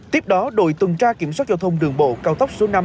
tiếp đó đội tuần tra kiểm soát giao thông đường bộ cao tốc số năm